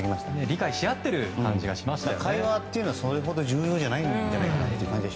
理解し合っている感じがしましたね。